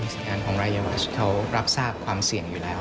สัญญาณของรายวัชเขารับทราบความเสี่ยงอยู่แล้ว